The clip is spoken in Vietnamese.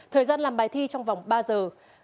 thời gian làm bài thi trong vòng ba giờ